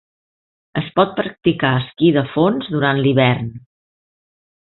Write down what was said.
Es pot practicar esquí de fons durant l'hivern.